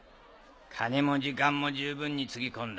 金も時間も十分につぎ込んだ。